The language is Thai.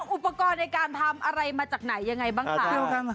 อุปกรณ์ในการทำอะไรมาจากไหนยังไงบ้างคะ